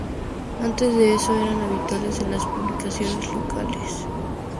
Antes de eso eran habituales en las publicaciones locales.